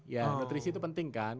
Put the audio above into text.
ya nutrisi itu penting kan